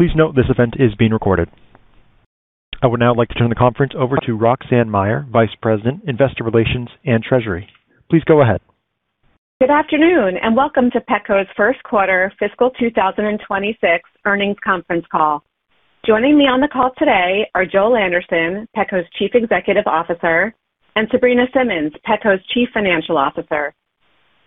Please note this event is being recorded. I would now like to turn the conference over to Roxanne Meyer, Vice President, Investor Relations and Treasury. Please go ahead. Good afternoon, welcome to Petco's Q1 fiscal 2026 earnings conference call. Joining me on the call today are Joel Anderson, Petco's Chief Executive Officer, and Sabrina Simmons, Petco's Chief Financial Officer.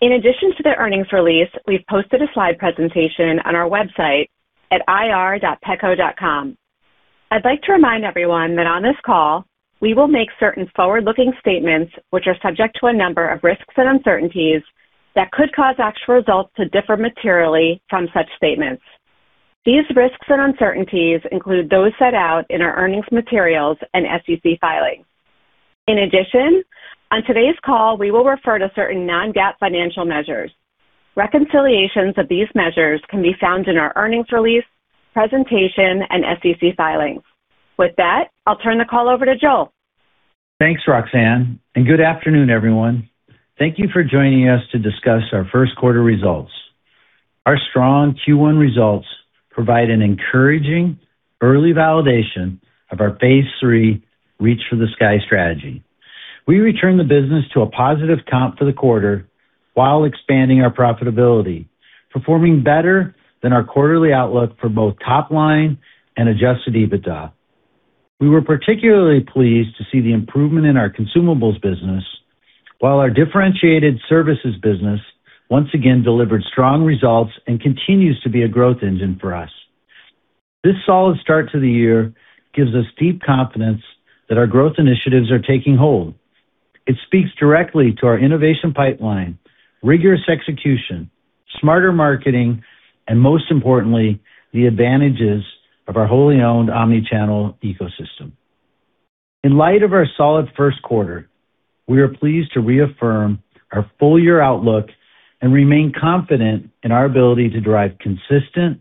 In addition to the earnings release, we've posted a slide presentation on our website at ir.petco.com. I'd like to remind everyone that on this call, we will make certain forward-looking statements which are subject to a number of risks and uncertainties that could cause actual results to differ materially from such statements. These risks and uncertainties include those set out in our earnings materials and SEC filings. In addition, on today's call, we will refer to certain non-GAAP financial measures. Reconciliations of these measures can be found in our earnings release, presentation, and SEC filings. With that, I'll turn the call over to Joel. Thanks, Roxanne, and good afternoon, everyone. Thank you for joining us to discuss our Q1 results. Our strong Q1 results provide an encouraging early validation of our Phase III Reach for the Sky strategy. We returned the business to a positive comp for the quarter while expanding our profitability, performing better than our quarterly outlook for both top-line and adjusted EBITDA. We were particularly pleased to see the improvement in our consumables business, while our differentiated services business once again delivered strong results and continues to be a growth engine for us. This solid start to the year gives us deep confidence that our growth initiatives are taking hold. It speaks directly to our innovation pipeline, rigorous execution, smarter marketing, and most importantly, the advantages of our wholly owned omni-channel ecosystem. In light of our solid Q1, we are pleased to reaffirm our full-year outlook and remain confident in our ability to drive consistent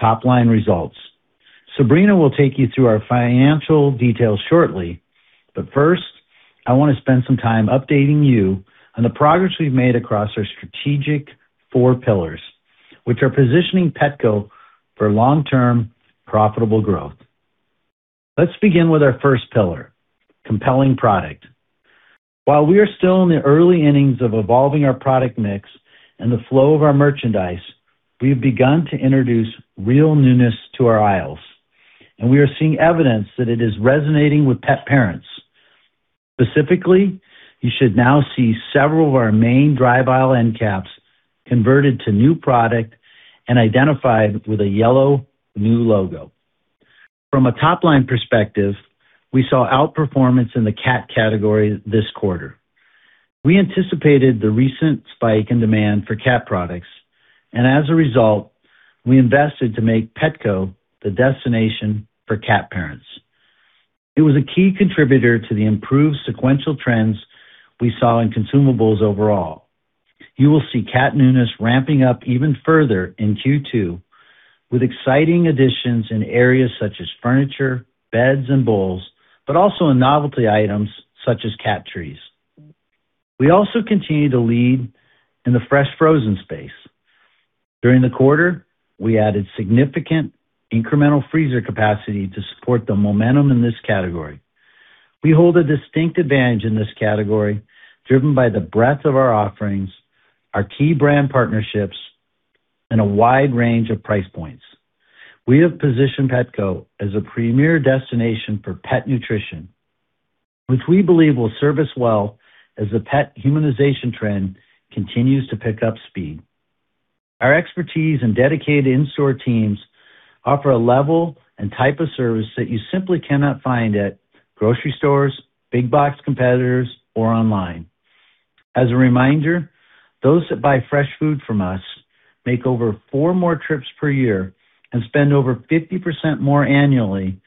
top-line results. Sabrina will take you through our financial details shortly, but first, I want to spend some time updating you on the progress we've made across our strategic four pillars, which are positioning Petco for long-term profitable growth. Let's begin with our first pillar, compelling product. While we are still in the early innings of evolving our product mix and the flow of our merchandise, we've begun to introduce real newness to our aisles, and we are seeing evidence that it is resonating with pet parents. Specifically, you should now see several of our main dry aisle end caps converted to new product and identified with a yellow new logo. From a top-line perspective, we saw outperformance in the cat category this quarter. We anticipated the recent spike in demand for cat products, as a result, we invested to make Petco the destination for cat parents. It was a key contributor to the improved sequential trends we saw in consumables overall. You will see cat newness ramping up even further in Q2 with exciting additions in areas such as furniture, beds, and bowls, also in novelty items such as cat trees. We also continue to lead in the fresh frozen space. During the quarter, we added significant incremental freezer capacity to support the momentum in this category. We hold a distinct advantage in this category, driven by the breadth of our offerings, our key brand partnerships, and a wide range of price points. We have positioned Petco as a premier destination for pet nutrition, which we believe will serve us well as the pet humanization trend continues to pick up speed. Our expertise and dedicated in-store teams offer a level and type of service that you simply cannot find at grocery stores, big box competitors, or online. As a reminder, those that buy fresh food from us make over four more trips per year and spend over 50% more annually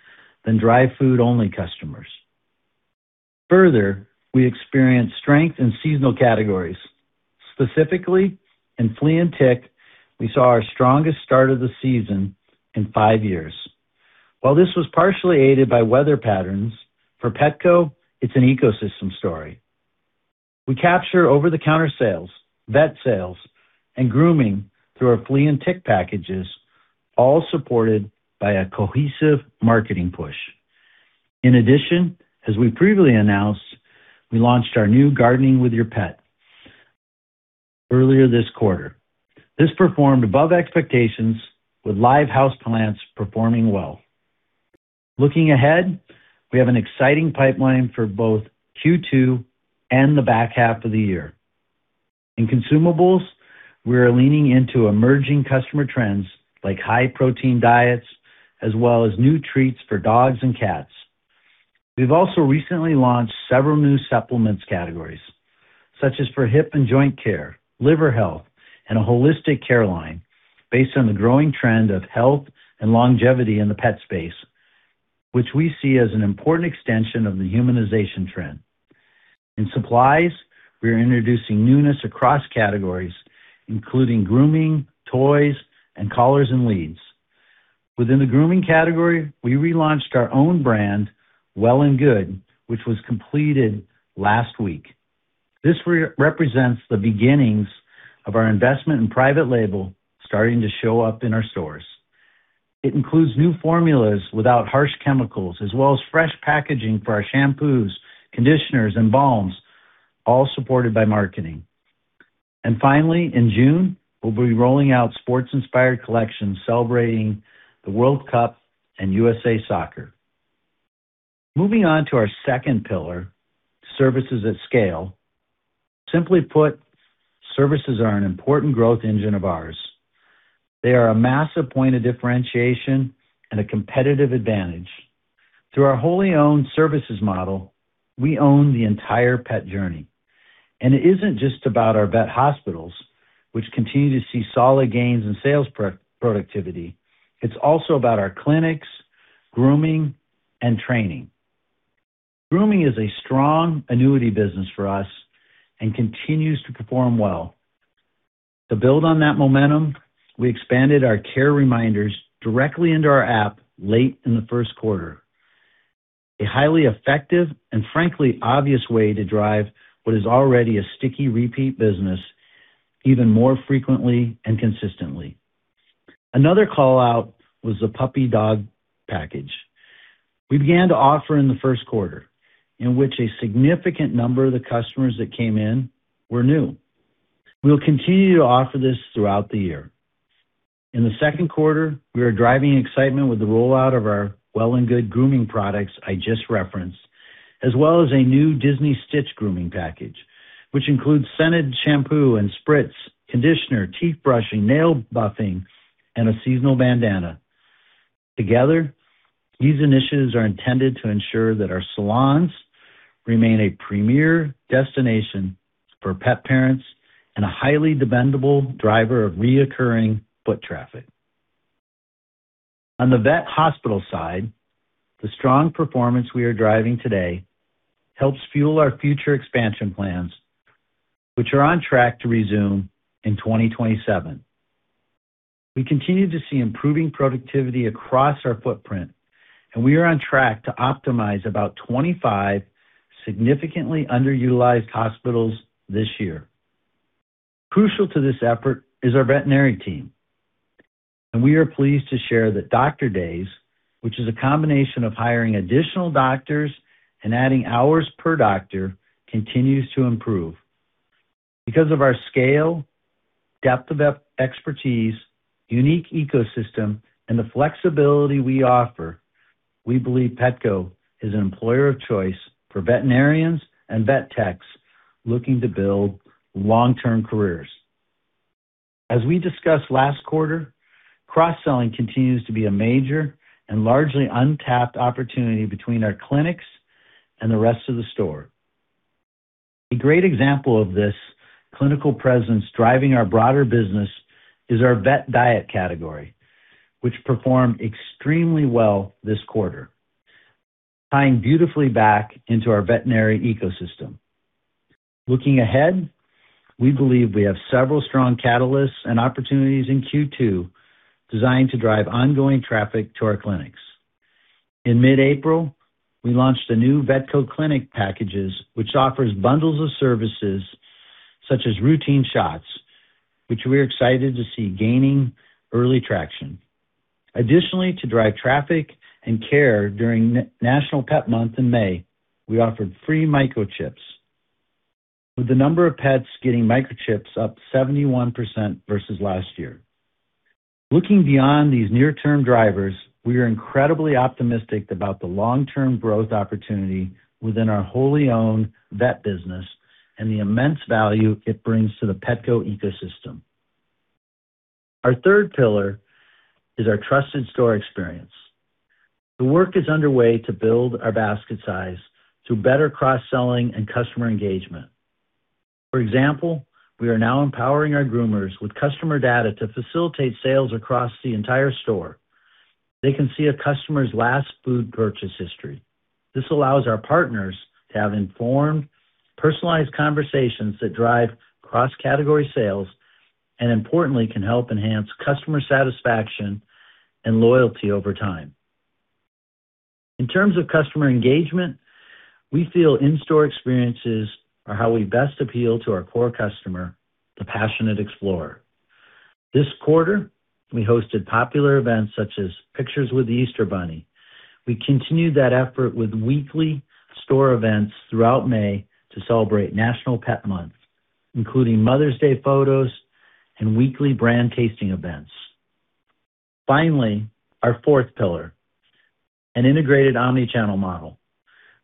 than dry food-only customers. Further, we experienced strength in seasonal categories. Specifically, in flea and tick, we saw our strongest start of the season in five years. While this was partially aided by weather patterns, for Petco, it's an ecosystem story. We capture over-the-counter sales, vet sales, and grooming through our flea and tick packages, all supported by a cohesive marketing push. In addition, as we previously announced, we launched our new Gardening with Your Pet earlier this quarter. This performed above expectations with live house plants performing well. Looking ahead, we have an exciting pipeline for both Q2 and the back half of the year. In consumables, we are leaning into emerging customer trends like high-protein diets, as well as new treats for dogs and cats. We've also recently launched several new supplements categories, such as for hip and joint care, liver health, and a holistic care line based on the growing trend of health and longevity in the pet space, which we see as an important extension of the humanization trend. In supplies, we are introducing newness across categories, including grooming, toys, and collars and leads. Within the grooming category, we relaunched our own brand, Well & Good, which was completed last week. This represents the beginnings of our investment in private label starting to show up in our stores. It includes new formulas without harsh chemicals, as well as fresh packaging for our shampoos, conditioners, and balms, all supported by marketing. Finally, in June, we'll be rolling out sports-inspired collections celebrating the World Cup and U.S. Soccer. Moving on to our second pillar, services at scale. Simply put, services are an important growth engine of ours. They are a massive point of differentiation and a competitive advantage. Through our wholly owned services model, we own the entire pet journey. It isn't just about our vet hospitals, which continue to see solid gains in sales productivity. It's also about our clinics, grooming, and training. Grooming is a strong annuity business for us and continues to perform well. To build on that momentum, we expanded our care reminders directly into our app late in the Q1. A highly effective and frankly, obvious way to drive what is already a sticky repeat business even more frequently and consistently. Another call-out was the puppy-dog package we began to offer in the Q1, in which a significant number of the customers that came in were new. We'll continue to offer this throughout the year. In the Q2, we are driving excitement with the rollout of our Well & Good grooming products I just referenced, as well as a new Disney Stitch grooming package, which includes scented shampoo and spritz, conditioner, teeth brushing, nail buffing, and a seasonal bandana. Together, these initiatives are intended to ensure that our salons remain a premier destination for pet parents and a highly dependable driver of recurring foot traffic. On the vet hospital side, the strong performance we are driving today helps fuel our future expansion plans, which are on track to resume in 2027. We continue to see improving productivity across our footprint, and we are on track to optimize about 25 significantly underutilized hospitals this year. Crucial to this effort is our veterinary team, and we are pleased to share that doctor days, which is a combination of hiring additional doctors and adding hours per doctor, continues to improve. Because of our scale, depth of expertise, unique ecosystem, and the flexibility we offer, we believe Petco is an employer of choice for veterinarians and vet techs looking to build long-term careers. As we discussed last quarter, cross-selling continues to be a major and largely untapped opportunity between our clinics and the rest of the store. A great example of this clinical presence driving our broader business is our vet diet category, which performed extremely well this quarter, tying beautifully back into our veterinary ecosystem. Looking ahead, we believe we have several strong catalysts and opportunities in Q2 designed to drive ongoing traffic to our clinics. In mid-April, we launched the new Vetco Clinic packages, which offers bundles of services such as routine shots, which we're excited to see gaining early traction. Additionally, to drive traffic and care during National Pet Month in May, we offered free microchips, with the number of pets getting microchips up 71% versus last year. Looking beyond these near-term drivers, we are incredibly optimistic about the long-term growth opportunity within our wholly owned vet business and the immense value it brings to the Petco ecosystem. Our third pillar is our trusted store experience. The work is underway to build our basket size through better cross-selling and customer engagement. For example, we are now empowering our groomers with customer data to facilitate sales across the entire store. They can see a customer's last food purchase history. This allows our partners to have informed, personalized conversations that drive cross-category sales and importantly, can help enhance customer satisfaction and loyalty over time. In terms of customer engagement, we feel in-store experiences are how we best appeal to our core customer, the passionate explorer. This quarter, we hosted popular events such as Pictures with the Easter Bunny. We continued that effort with weekly store events throughout May to celebrate National Pet Month, including Mother's Day photos and weekly brand tasting events. Finally, our fourth pillar, an integrated omnichannel model.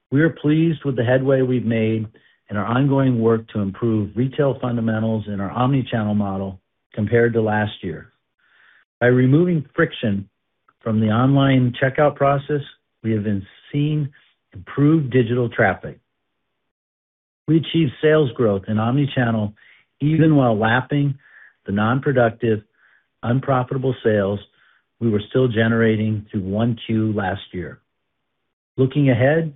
We are pleased with the headway we've made in our ongoing work to improve retail fundamentals in our omnichannel model compared to last year. By removing friction from the online checkout process, we have been seeing improved digital traffic. We achieved sales growth in omnichannel, even while lapping the non-productive, unprofitable sales we were still generating through 1Q last year. Looking ahead,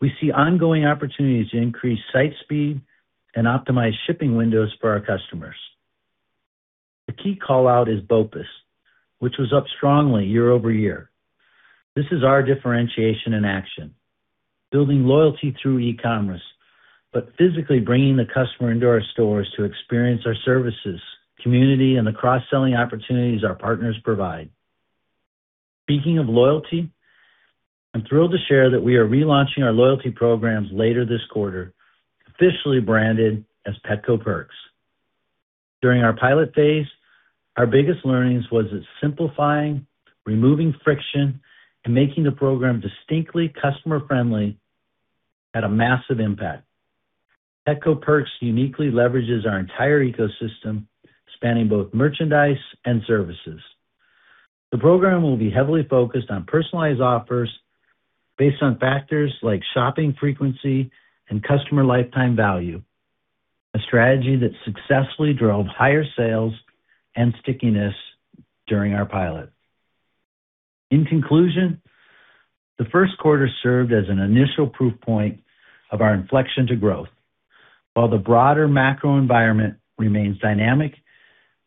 we see ongoing opportunities to increase site speed and optimize shipping windows for our customers. A key call-out is BOPUS, which was up strongly year-over-year. This is our differentiation in action, building loyalty through e-commerce, but physically bringing the customer into our stores to experience our services, community, and the cross-selling opportunities our partners provide. Speaking of loyalty, I'm thrilled to share that we are relaunching our loyalty programs later this quarter, officially branded as Petco Perks. During our pilot phase, our biggest learnings was that simplifying, removing friction, and making the program distinctly customer-friendly had a massive impact. Petco Perks uniquely leverages our entire ecosystem, spanning both merchandise and services. The program will be heavily focused on personalized offers based on factors like shopping frequency and customer lifetime value, a strategy that successfully drove higher sales and stickiness during our pilot. In conclusion, the Q1 served as an initial proof point of our inflection to growth. While the broader macro environment remains dynamic,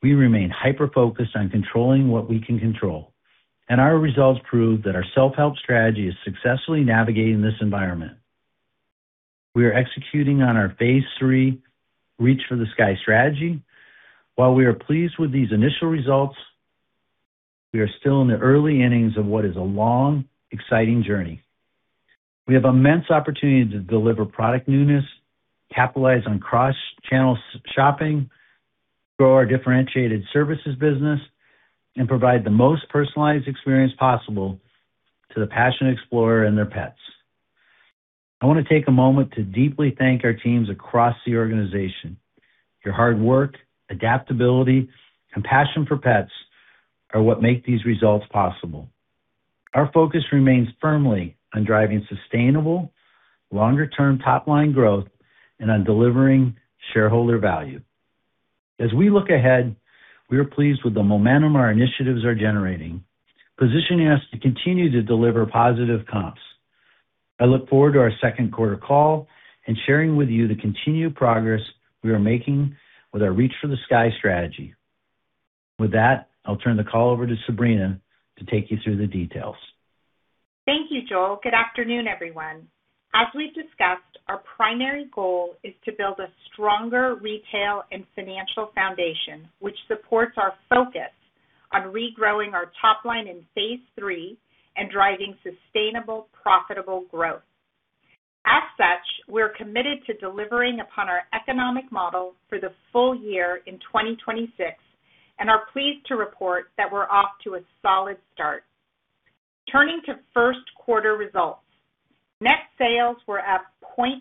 we remain hyper-focused on controlling what we can control, and our results prove that our self-help strategy is successfully navigating this environment. We are executing on our Phase III Reach for the Sky strategy. While we are pleased with these initial results, we are still in the early innings of what is a long, exciting journey. We have immense opportunity to deliver product newness, capitalize on cross-channel shopping, grow our differentiated services business, and provide the most personalized experience possible to the passionate explorer and their pets. I want to take a moment to deeply thank our teams across the organization. Your hard work, adaptability, and passion for pets are what make these results possible. Our focus remains firmly on driving sustainable, longer-term top-line growth and on delivering shareholder value. As we look ahead, we are pleased with the momentum our initiatives are generating, positioning us to continue to deliver positive comps. I look forward to our Q2 call and sharing with you the continued progress we are making with our Reach for the Sky strategy. With that, I'll turn the call over to Sabrina to take you through the details. Thank you, Joel. Good afternoon, everyone. As we've discussed, our primary goal is to build a stronger retail and financial foundation which supports our focus on regrowing our top line in Phase III and driving sustainable, profitable growth. We're committed to delivering upon our economic model for the full year in 2026 and are pleased to report that we're off to a solid start. Turning to Q1 results. Net sales were up 0.2%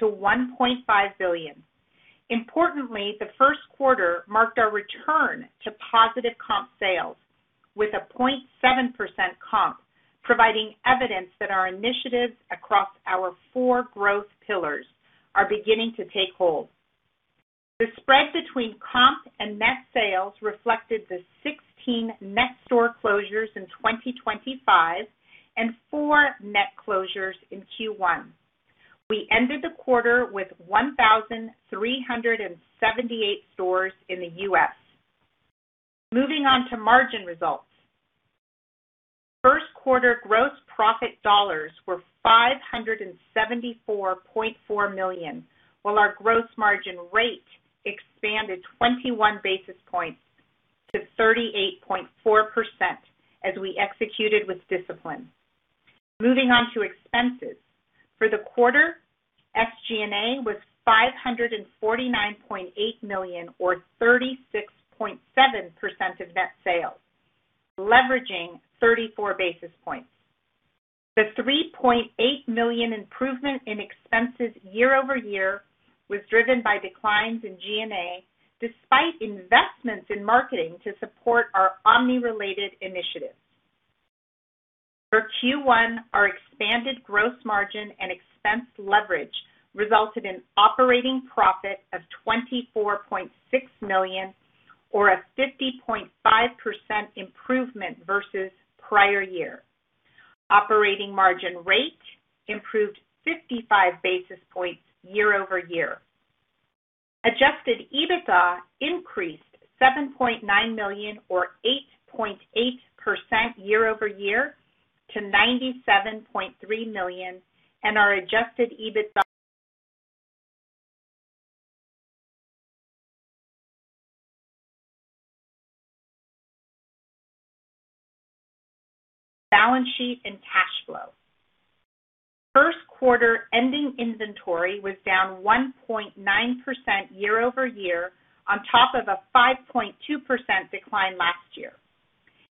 to $1.5 billion. Importantly, the Q1 marked our return to positive comp sales with a 0.7% comp, providing evidence that our initiatives across our four growth pillars are beginning to take hold. The spread between comp and net sales reflected the 16 net store closures in 2025 and four net closures in Q1. We ended the quarter with 1,378 stores in the U.S. Moving on to margin results. Q1 gross profit dollars were $574.4 million, while our gross margin rate expanded 21 basis points to 38.4% as we executed with discipline. Moving on to expenses. For the quarter, SG&A was $549.8 million or 36.7% of net sales, leveraging 34 basis points. The $3.8 million improvement in expenses year-over-year was driven by declines in G&A despite investments in marketing to support our omni-related initiatives. For Q1, our expanded gross margin and expense leverage resulted in operating profit of $24.6 million or a 50.5% improvement versus prior year. Operating margin rate improved 55 basis points year-over-year. Adjusted EBITDA increased $7.9 million or 8.8% year-over-year to $97.3 million. Balance sheet and cash flow. Q1 ending inventory was down 1.9% year-over-year on top of a 5.2% decline last year.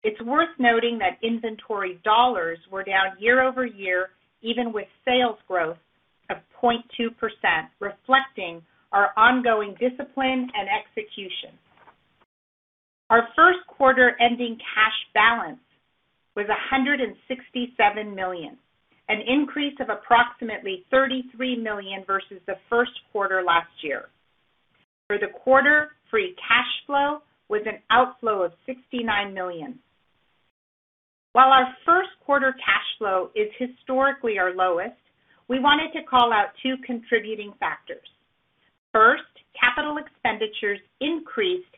It's worth noting that inventory dollars were down year-over-year, even with sales growth of 0.2%, reflecting our ongoing discipline and execution. Our Q1 ending cash balance was $167 million, an increase of approximately $33 million versus the Q1 last year. For the quarter, free cash flow was an outflow of $69 million. While our Q1 cash flow is historically our lowest, we wanted to call out two contributing factors. First, capital expenditures increased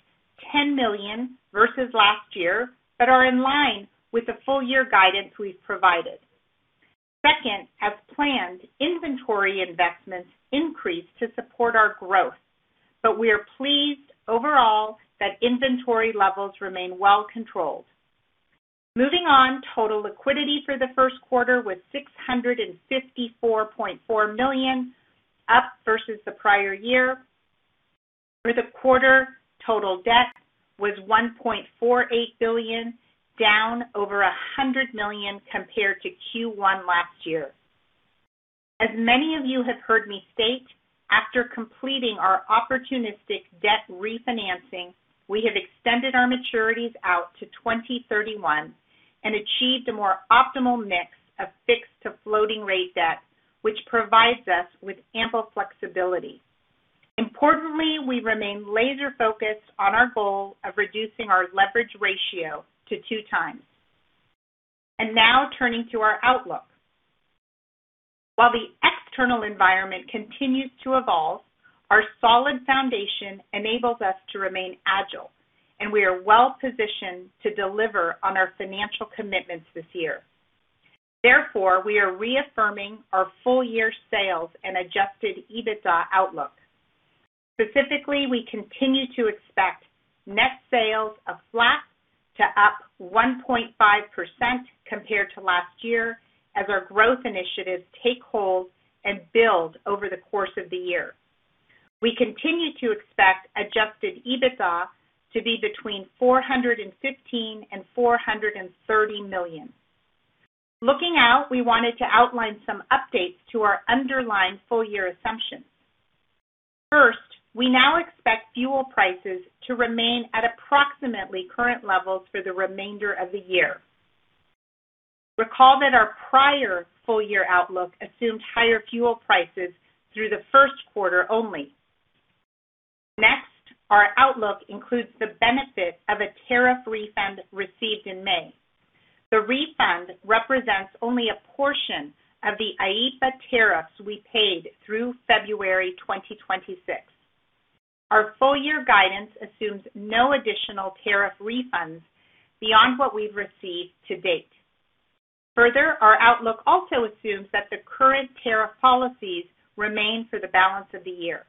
$10 million versus last year, but are in line with the full year guidance we've provided. Second, as planned, inventory investments increased to support our growth, but we are pleased overall that inventory levels remain well controlled. Moving on, total liquidity for the Q1 was $654.4 million, up versus the prior year. For the quarter, total debt was $1.48 billion, down over $100 million compared to Q1 last year. As many of you have heard me state, after completing our opportunistic debt refinancing, we have extended our maturities out to 2031 and achieved a more optimal mix of fixed to floating rate debt, which provides us with ample flexibility. Importantly, we remain laser focused on our goal of reducing our leverage ratio to two times. Now turning to our outlook. While the external environment continues to evolve, our solid foundation enables us to remain agile, and we are well positioned to deliver on our financial commitments this year. Therefore, we are reaffirming our full year sales and adjusted EBITDA outlook. Specifically, we continue to expect net sales of flat to up 1.5% compared to last year, as our growth initiatives take hold and build over the course of the year. We continue to expect adjusted EBITDA to be between $415 million and $430 million. Looking out, we wanted to outline some updates to our underlying full year assumptions. First, we now expect fuel prices to remain at approximately current levels for the remainder of the year. Recall that our prior full year outlook assumed higher fuel prices through the Q1 only. Next, our outlook includes the benefit of a tariff refund received in May. The refund represents only a portion of the IEEPA tariffs we paid through February 2026. Our full year guidance assumes no additional tariff refunds beyond what we've received to date. Our outlook also assumes that the current tariff policies remain for the balance of the year.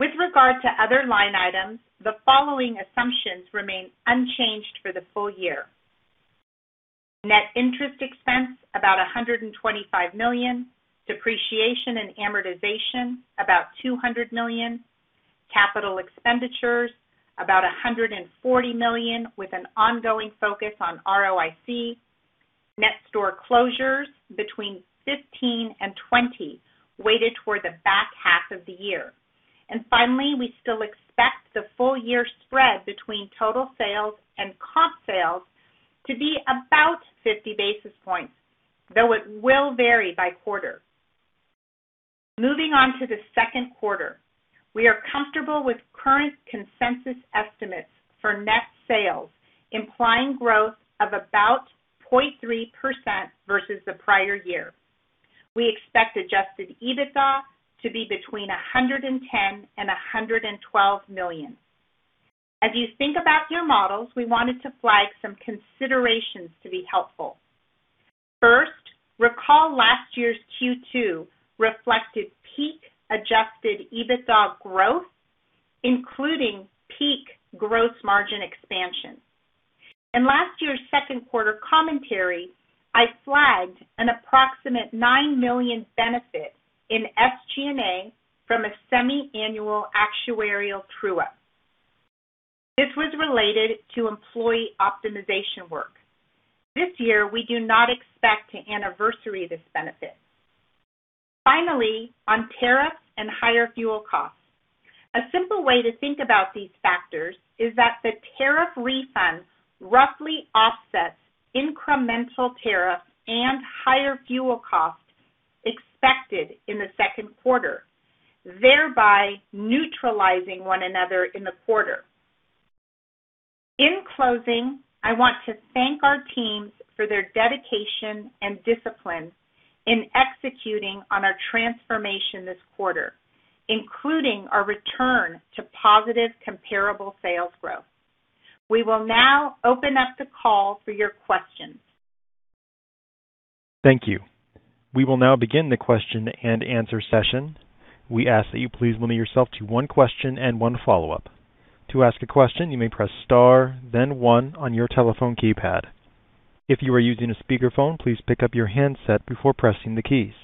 With regard to other line items, the following assumptions remain unchanged for the full year. Net interest expense, about $125 million. Depreciation and amortization, about $200 million. Capital expenditures about $140 million, with an ongoing focus on ROIC. Net store closures between 15 and 20, weighted toward the back half of the year. Finally, we still expect the full year spread between total sales and comp sales to be about 50 basis points, though it will vary by quarter. Moving on to the Q2, we are comfortable with current consensus estimates for net sales, implying growth of about 0.3% versus the prior year. We expect adjusted EBITDA to be between $110 million and $112 million. As you think about your models, we wanted to flag some considerations to be helpful. First, recall last year's Q2 reflected peak adjusted EBITDA growth, including peak gross margin expansion. In last year's Q2 commentary, I flagged an approximate $9 million benefit in SG&A from a semi-annual actuarial true-up. This was related to employee optimization work. This year, we do not expect to anniversary this benefit. On tariffs and higher fuel costs. A simple way to think about these factors is that the tariff refunds roughly offset incremental tariff and higher fuel cost expected in the Q2, thereby neutralizing one another in the quarter. In closing, I want to thank our teams for their dedication and discipline in executing on our transformation this quarter, including our return to positive comparable sales growth. We will now open up the call for your questions. Thank you. We will now begin the question and answer session. We ask that you please limit yourself to one question and one follow-up. To ask a question, you may press star then one on your telephone keypad. If you are using a speakerphone, please pick up your handset before pressing the keys.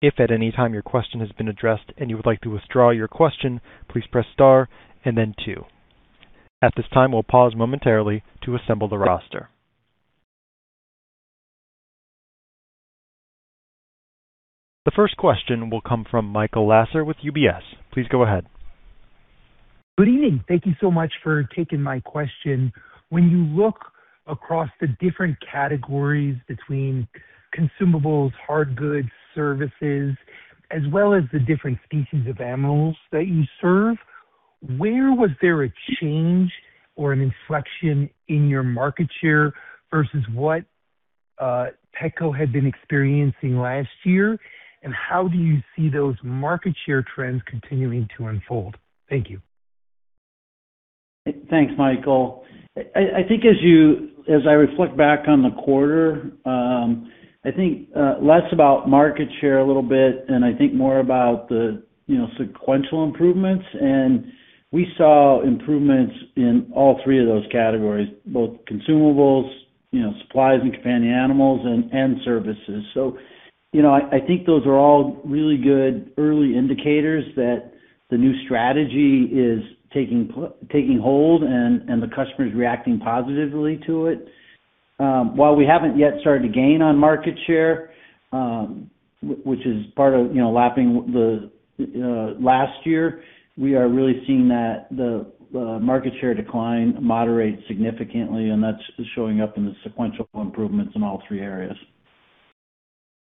If at any time your question has been addressed and you would like to withdraw your question, please press star and then two. At this time, we'll pause momentarily to assemble the roster. The first question will come from Michael Lasser with UBS. Please go ahead. Good evening. Thank you so much for taking my question. When you look across the different categories between consumables, hard goods, services, as well as the different species of animals that you serve. Where was there a change or an inflection in your market share versus what Petco had been experiencing last year? How do you see those market share trends continuing to unfold? Thank you. Thanks, Michael. I think as I reflect back on the quarter, I think less about market share a little bit, and I think more about the sequential improvements. We saw improvements in all three of those categories, both consumables, supplies and companion animals, and services. I think those are all really good early indicators that the new strategy is taking hold and the customer's reacting positively to it. While we haven't yet started to gain on market share, which is part of lapping the last year, we are really seeing that the market share decline moderate significantly, and that's showing up in the sequential improvements in all three areas.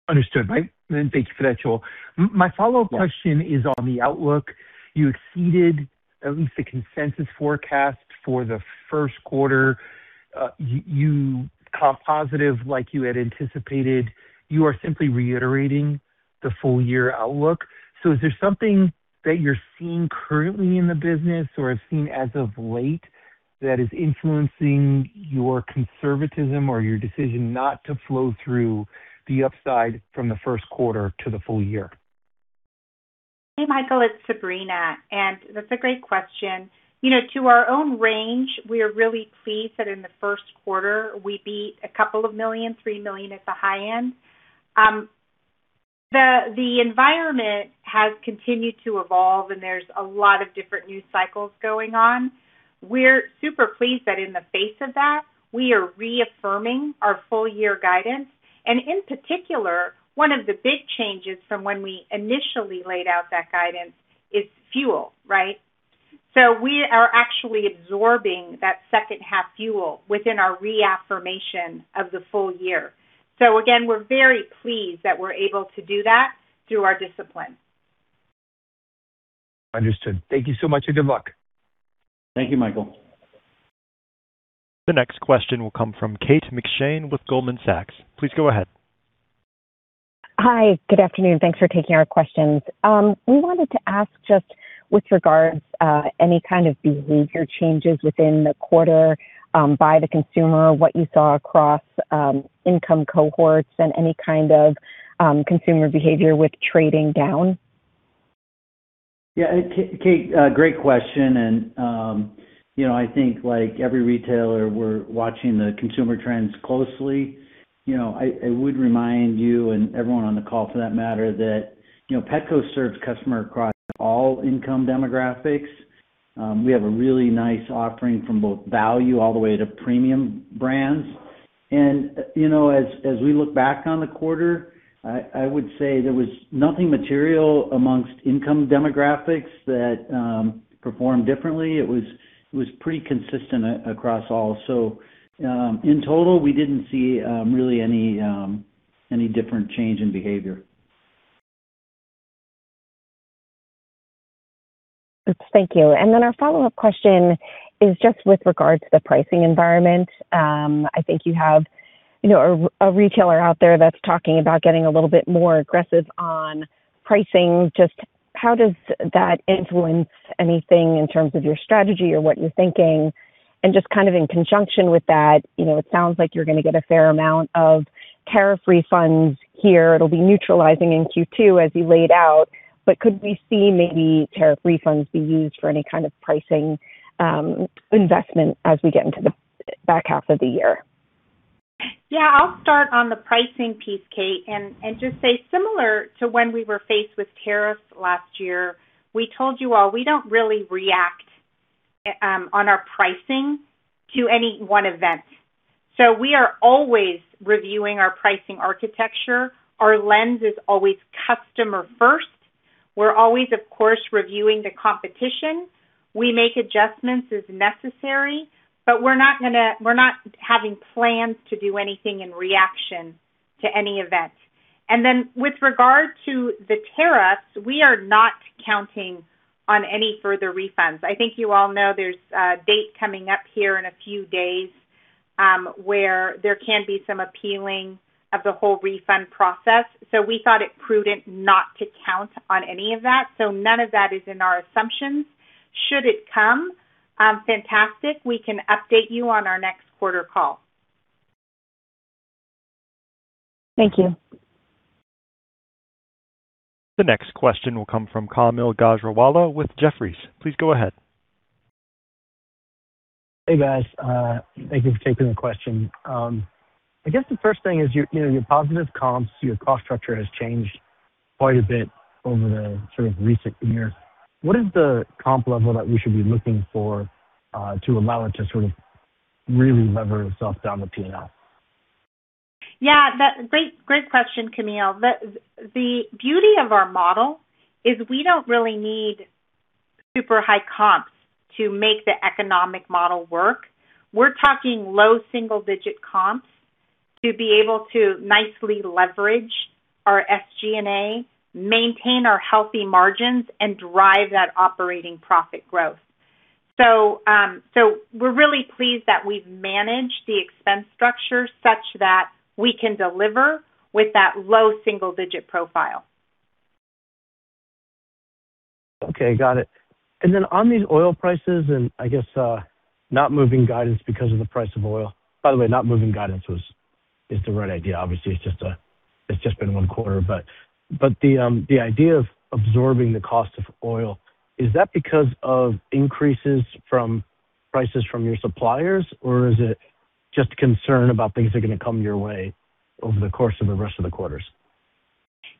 Understood. Thank you for that, Joel. My follow-up question is on the outlook. You exceeded at least the consensus forecast for the Q1. You comped positive like you had anticipated. You are simply reiterating the full-year outlook. Is there something that you're seeing currently in the business or have seen as of late that is influencing your conservatism or your decision not to flow through the upside from the Q1 to the full year? Hey, Michael, it's Sabrina. That's a great question. To our own range, we are really pleased that in the Q1 we beat a couple of million, $3 million at the high end. The environment has continued to evolve, and there's a lot of different news cycles going on. We're super pleased that in the face of that, we are reaffirming our full-year guidance. In particular, one of the big changes from when we initially laid out that guidance is fuel. Right? We are actually absorbing that H2 fuel within our reaffirmation of the full year. Again, we're very pleased that we're able to do that through our discipline. Understood. Thank you so much, and good luck. Thank you, Michael. The next question will come from Kate McShane with Goldman Sachs. Please go ahead. Hi. Good afternoon. Thanks for taking our questions. We wanted to ask just with regards any kind of behavior changes within the quarter by the consumer, what you saw across income cohorts and any kind of consumer behavior with trading down. Yeah, Kate, great question. I think, like every retailer, we're watching the consumer trends closely. I would remind you, and everyone on the call for that matter, that Petco serves customers across all income demographics. We have a really nice offering from both value all the way to premium brands. As we look back on the quarter, I would say there was nothing material amongst income demographics that performed differently. It was pretty consistent across all. In total, we didn't see really any different change in behavior. Thank you. Our follow-up question is just with regard to the pricing environment. I think you have a retailer out there that's talking about getting a little bit more aggressive on pricing. Just how does that influence anything in terms of your strategy or what you're thinking? Kind of in conjunction with that, it sounds like you're going to get a fair amount of tariff refunds here. It'll be neutralizing in Q2 as you laid out, but could we see maybe tariff refunds be used for any kind of pricing investment as we get into the back half of the year? Yeah, I'll start on the pricing piece, Kate, and just say similar to when we were faced with tariffs last year, we told you all, we don't really react on our pricing to any one event. We are always reviewing our pricing architecture. Our lens is always customer first. We're always, of course, reviewing the competition. We make adjustments as necessary, but we're not having plans to do anything in reaction to any event. With regard to the tariffs, we are not counting on any further refunds. I think you all know there's a date coming up here in a few days, where there can be some appealing of the whole refund process. We thought it prudent not to count on any of that. None of that is in our assumptions. Should it come, fantastic. We can update you on our next quarter call. Thank you. The next question will come from Kaumil Gajrawala with Jefferies. Please go ahead. Hey, guys. Thank you for taking the question. I guess the first thing is your positive comps, your cost structure has changed quite a bit over the sort of recent years. What is the comp level that we should be looking for to allow it to sort of really lever itself down the P&L? Yeah, great question, Kaumil. The beauty of our model is we don't really need super high comps to make the economic model work. We're talking low single-digit comps. To be able to nicely leverage our SG&A, maintain our healthy margins, and drive that operating profit growth. We're really pleased that we've managed the expense structure such that we can deliver with that low single-digit profile. Okay, got it. On these oil prices, and I guess not moving guidance because of the price of oil. By the way, not moving guidance is the right idea. Obviously, it's just been one quarter. The idea of absorbing the cost of oil, is that because of increases from prices from your suppliers? Is it just concern about things are gonna come your way over the course of the rest of the quarters?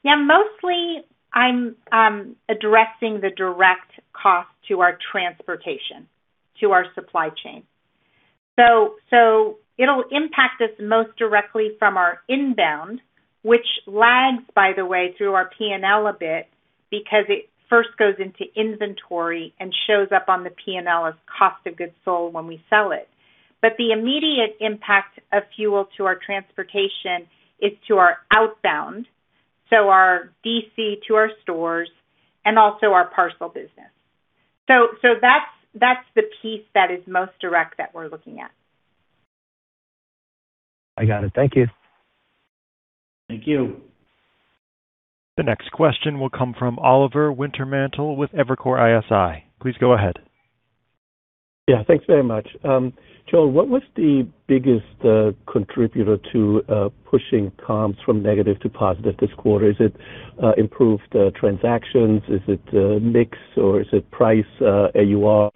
Yeah. Mostly, I'm addressing the direct cost to our transportation, to our supply chain. It'll impact us most directly from our inbound, which lags, by the way, through our P&L a bit because it first goes into inventory and shows up on the P&L as cost of goods sold when we sell it. The immediate impact of fuel to our transportation is to our outbound, so our DC to our stores, and also our parcel business. That's the piece that is most direct that we're looking at. I got it. Thank you. Thank you. The next question will come from Oliver Wintermantel with Evercore ISI. Please go ahead. Yeah. Thanks very much. Joel, what was the biggest contributor to pushing comps from negative to positive this quarter? Is it improved transactions? Is it mix, or is it price, AUR?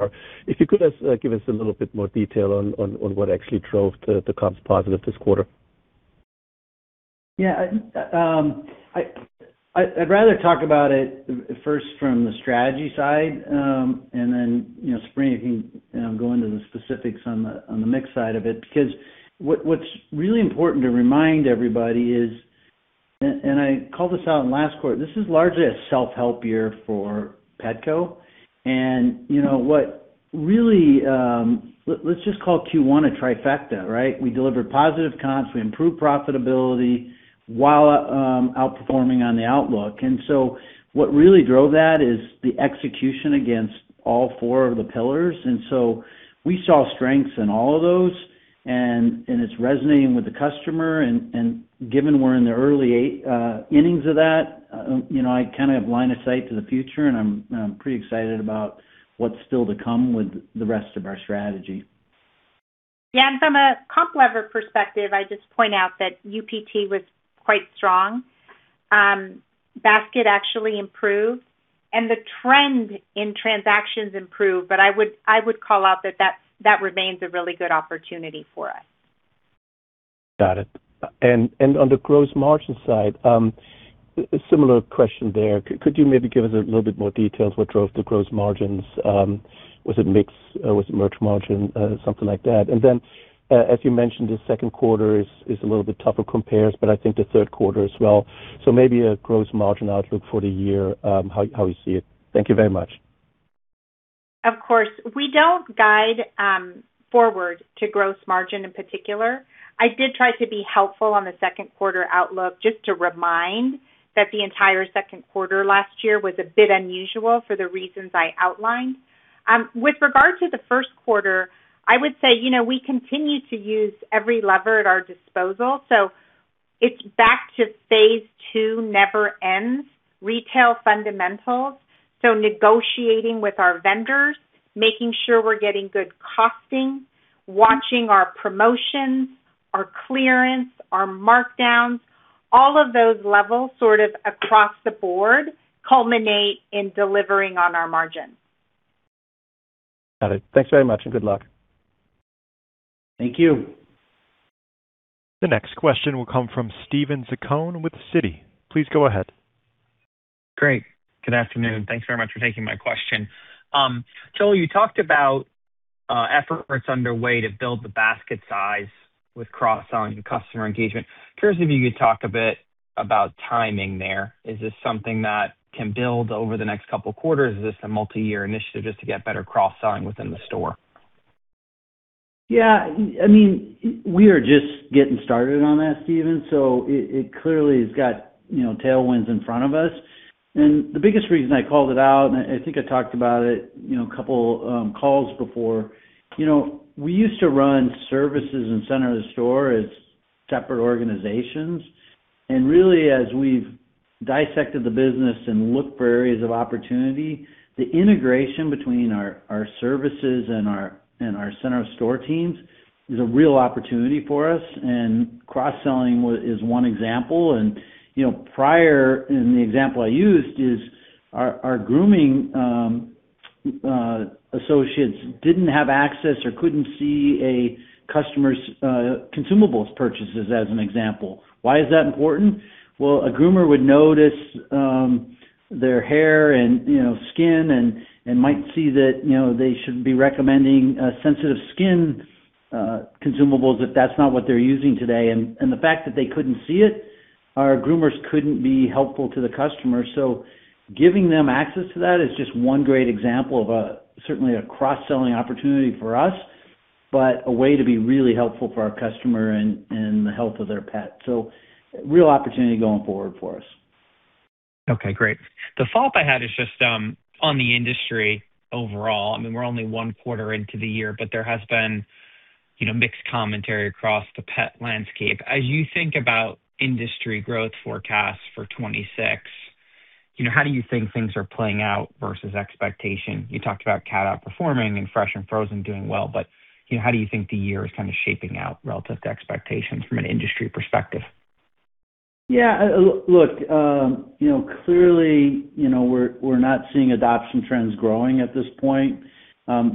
If you could give us a little bit more detail on what actually drove the comps positive this quarter. Yeah. I'd rather talk about it first from the strategy side, then Sabrina, you can go into the specifics on the mix side of it, because what's really important to remind everybody is, and I called this out in last quarter, this is largely a self-help year for Petco. Let's just call Q1 a trifecta, right? We delivered positive comps, we improved profitability while outperforming on the outlook. What really drove that is the execution against all four of the pillars. We saw strengths in all of those, and it's resonating with the customer. Given we're in the early innings of that, I kind of have line of sight to the future, and I'm pretty excited about what's still to come with the rest of our strategy. Yeah. From a comp lever perspective, I just point out that UPT was quite strong. Basket actually improved, and the trend in transactions improved, but I would call out that that remains a really good opportunity for us. Got it. On the gross margin side, similar question there. Could you maybe give us a little bit more details what drove the gross margins? Was it mix? Was it merch margin? Something like that. As you mentioned, the Q2 is a little bit tougher compares, but I think the Q3 as well. Maybe a gross margin outlook for the year, how you see it. Thank you very much. Of course. We don't guide forward to gross margin in particular. I did try to be helpful on the Q2 outlook just to remind that the entire Q2 last year was a bit unusual for the reasons I outlined. With regard to the Q1, I would say we continue to use every lever at our disposal. It's back to Phase II never ends, retail fundamentals. Negotiating with our vendors, making sure we're getting good costing, watching our promotions, our clearance, our markdowns, all of those levels across the board culminate in delivering on our margin. Got it. Thanks very much, and good luck. Thank you. The next question will come from Steven Zaccone with Citi. Please go ahead. Great. Good afternoon. Thanks very much for taking my question. Joel, you talked about efforts underway to build the basket size with cross-selling and customer engagement. Curious if you could talk a bit about timing there. Is this something that can build over the next couple quarters? Is this a multi-year initiative just to get better cross-selling within the store? Yeah. We are just getting started on that, Steven. It clearly has got tailwinds in front of us. The biggest reason I called it out, and I think I talked about it a couple calls before. We used to run services and center of the store as separate organizations. Really, as we've dissected the business and looked for areas of opportunity, the integration between our services and our center of store teams is a real opportunity for us, and cross-selling is one example. Prior, in the example I used, is our grooming associates didn't have access or couldn't see a customer's consumables purchases as an example. Why is that important? Well, a groomer would notice their hair and skin and might see that they should be recommending sensitive skin consumables if that's not what they're using today. The fact that they couldn't see it. Our groomers couldn't be helpful to the customer. Giving them access to that is just one great example of certainly a cross-selling opportunity for us, but a way to be really helpful for our customer and the health of their pet. Real opportunity going forward for us. Okay, great. The follow-up I had is just on the industry overall. We're only one quarter into the year, but there has been mixed commentary across the pet landscape. As you think about industry growth forecasts for 2026, how do you think things are playing out versus expectation? You talked about cat outperforming and fresh and frozen doing well, but how do you think the year is kind of shaping out relative to expectations from an industry perspective? Look, clearly, we're not seeing adoption trends growing at this point,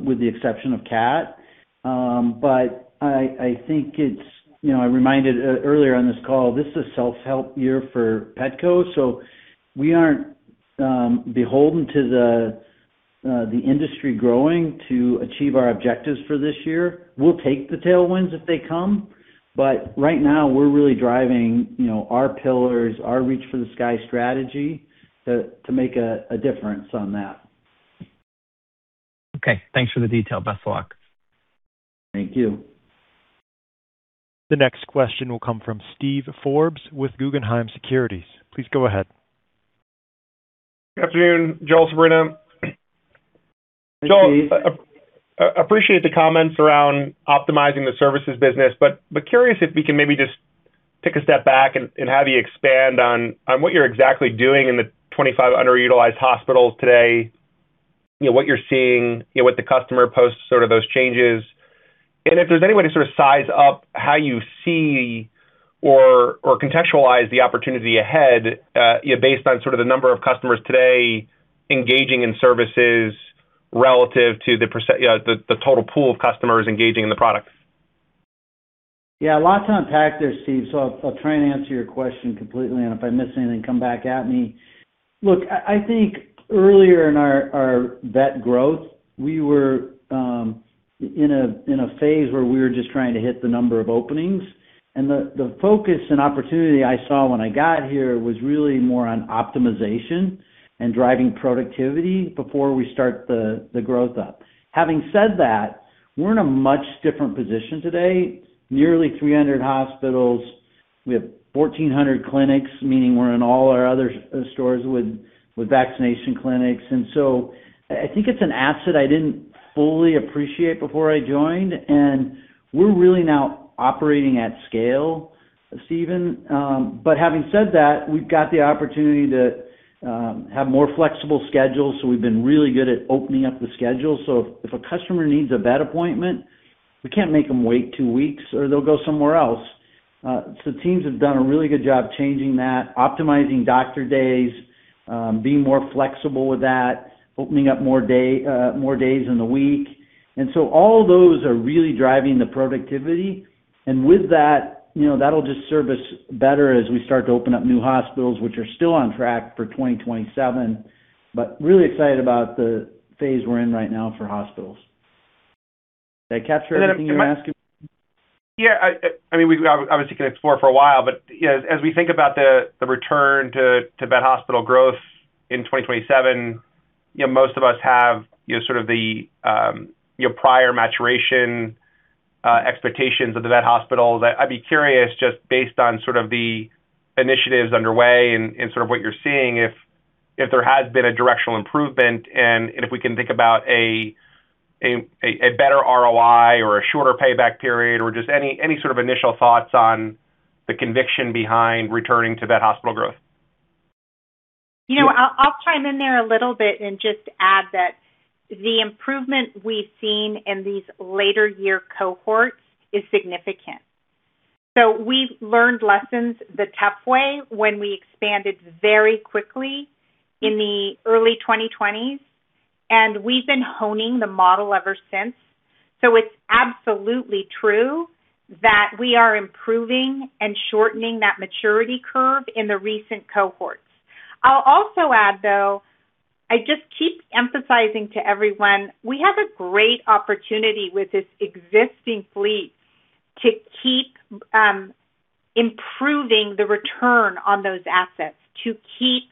with the exception of cat. I reminded earlier on this call, this is a self-help year for Petco, so we aren't beholden to the industry growing to achieve our objectives for this year. We'll take the tailwinds if they come, right now, we're really driving our pillars, our Reach for the Sky strategy to make a difference on that. Okay. Thanks for the detail. Best of luck. Thank you. The next question will come from Steve Forbes with Guggenheim Securities. Please go ahead. Good afternoon, Joel, Sabrina. Hey, Steve. Joel, curious if we can maybe just take a step back and have you expand on what you're exactly doing in the 25 underutilized hospitals today, what you're seeing, what the customer posts, sort of those changes. If there's any way to sort of size up how you see or contextualize the opportunity ahead, based on sort of the number of customers today engaging in services relative to the total pool of customers engaging in the products. Yeah. A lot to unpack there, Steve, so I'll try and answer your question completely, and if I miss anything, come back at me. Look, I think earlier in our vet growth, we were in a phase where we were just trying to hit the number of openings, and the focus and opportunity I saw when I got here was really more on optimization and driving productivity before we start the growth up. Having said that, we're in a much different position today. Nearly 300 hospitals. We have 1,400 clinics, meaning we're in all our other stores with vaccination clinics. I think it's an asset I didn't fully appreciate before I joined, and we're really now operating at scale, Steven. Having said that, we've got the opportunity to have more flexible schedules, so we've been really good at opening up the schedule. If a customer needs a vet appointment, we can't make them wait two weeks, or they'll go somewhere else. The teams have done a really good job changing that, optimizing doctor days, being more flexible with that, opening up more days in the week. All those are really driving the productivity, and with that'll just serve us better as we start to open up new hospitals, which are still on track for 2027. Really excited about the phase we're in right now for hospitals. Did I capture everything you're asking? Yeah. Obviously, we can explore for a while, but as we think about the return to Vetco growth in 2027, most of us have sort of the prior maturation expectations of the Vetco, that I'd be curious, just based on sort of the initiatives underway and sort of what you're seeing, if there has been a directional improvement and if we can think about a better ROI or a shorter payback period or just any sort of initial thoughts on the conviction behind returning to that Vetco growth. I'll chime in there a little bit and just add that the improvement we've seen in these later year cohorts is significant. We've learned lessons the tough way when we expanded very quickly in the early 2020s, and we've been honing the model ever since. It's absolutely true that we are improving and shortening that maturity curve in the recent cohorts. I'll also add, though, I just keep emphasizing to everyone, we have a great opportunity with this existing fleet to keep improving the return on those assets, to keep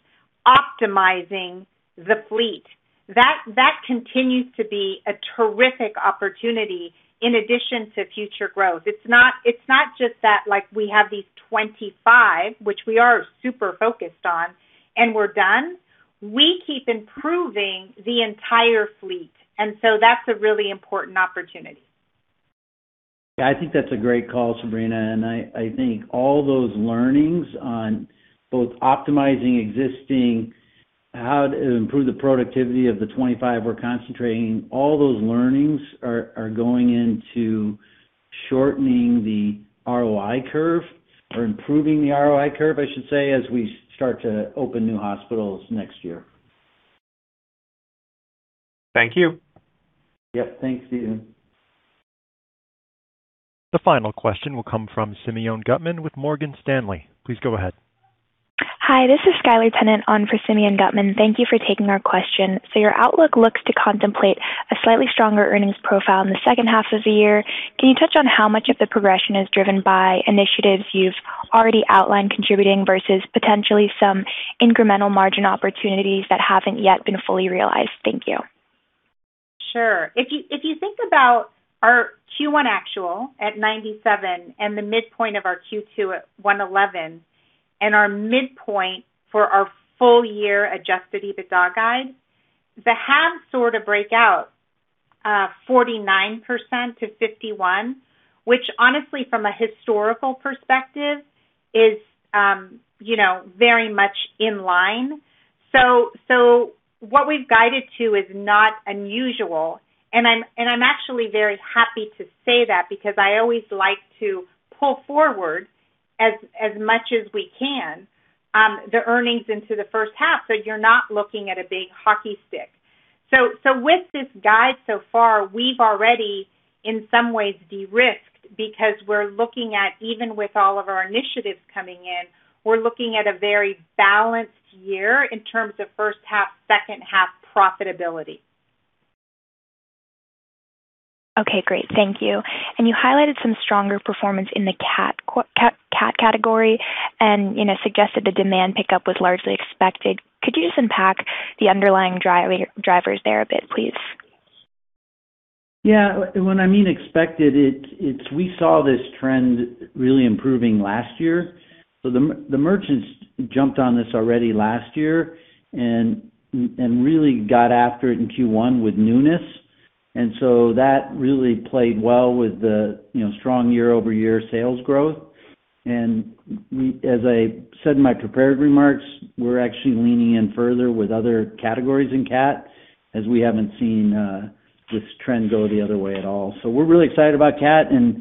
optimizing the fleet. That continues to be a terrific opportunity in addition to future growth. It's not just that we have these 25, which we are super focused on, and we're done. We keep improving the entire fleet, and so that's a really important opportunity. Yeah, I think that's a great call, Sabrina, and I think all those learnings on both optimizing existing, how to improve the productivity of the 25 we're concentrating, all those learnings are going into shortening the ROI curve or improving the ROI curve, I should say, as we start to open new hospitals next year. Thank you. Yep. Thanks, Steven. The final question will come from Simeon Gutman with Morgan Stanley. Please go ahead. Hi, this is Skylar Tennant on for Simeon Gutman. Thank you for taking our question. Your outlook looks to contemplate a slightly stronger earnings profile in the H2 of the year. Can you touch on how much of the progression is driven by initiatives you've already outlined contributing versus potentially some incremental margin opportunities that haven't yet been fully realized? Thank you. Sure. If you think about our Q1 actual at $97 and the midpoint of our Q2 at $111, and our midpoint for our full year adjusted EBITDA guide, the halves sort of break out 49%-51%, which honestly, from a historical perspective, is very much in line. What we've guided to is not unusual, and I'm actually very happy to say that because I always like to pull forward as much as we can the earnings into the H1 so you're not looking at a big hockey stick. With this guide so far, we've already, in some ways, de-risked because we're looking at, even with all of our initiatives coming in, we're looking at a very balanced year in terms of H1, H2 profitability. Okay, great. Thank you. You highlighted some stronger performance in the cat category and suggested the demand pickup was largely expected. Could you just unpack the underlying drivers there a bit, please? Yeah. When I mean expected, we saw this trend really improving last year. The merchants jumped on this already last year and really got after it in Q1 with newness. That really played well with the strong year-over-year sales growth. As I said in my prepared remarks, we're actually leaning in further with other categories in cat as we haven't seen this trend go the other way at all. We're really excited about cat, and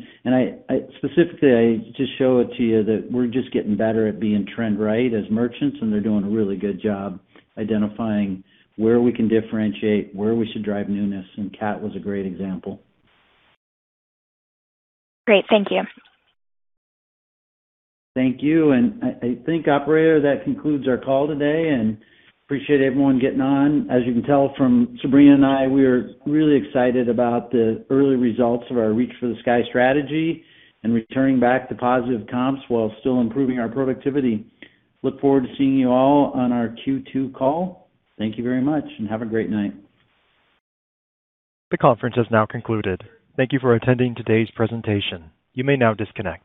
specifically, I just show it to you that we're just getting better at being trend right as merchants, and they're doing a really good job identifying where we can differentiate, where we should drive newness, and cat was a great example. Great. Thank you. Thank you. I think, operator, that concludes our call today, and appreciate everyone getting on. As you can tell from Sabrina and I, we are really excited about the early results of our Reach for the Sky strategy and returning back to positive comps while still improving our productivity. Look forward to seeing you all on our Q2 call. Thank you very much and have a great night. The conference has now concluded. Thank you for attending today's presentation. You may now disconnect.